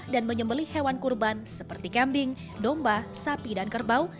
dan menyembeli hewan kurban seperti kambing domba sapi dan kerbau